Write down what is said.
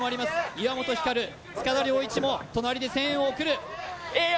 岩本照塚田僚一も隣で声援を送るいいよ